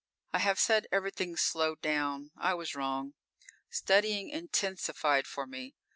_ _I have said everything slowed down: I was wrong. Studying intensified for me.